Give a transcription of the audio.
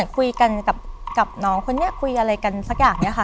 กับน้องคนนี้คุยอะไรกันสักอย่างเนี่ยค่ะ